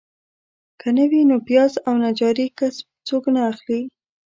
که نه وي نو پیاز او نجاري کسب څوک نه اخلي.